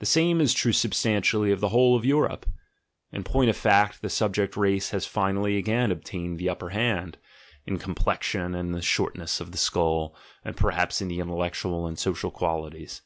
(The same is true substantially of the whole of Europe: in point of fact, the subject race has finally again obtained the upper hand, in complexion and the shortness of the skull, and perhaps in the intellectual and social qualities.